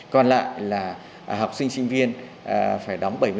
còn lại là học sinh sinh viên phải đóng bảy mươi